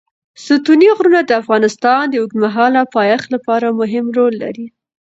ستوني غرونه د افغانستان د اوږدمهاله پایښت لپاره مهم رول لري.